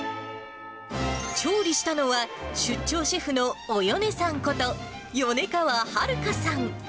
調理したのは、出張シェフのおよねさんこと、米川春香さん。